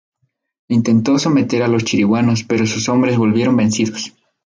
Intentó someter a los chiriguanos, pero sus hombres volvieron vencidos.